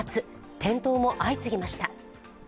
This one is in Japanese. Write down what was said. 転倒も相次ぎました。